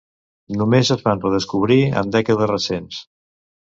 Només es van redescobrir en dècades recents.